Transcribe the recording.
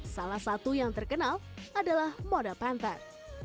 salah satu yang terkenal adalah moda panther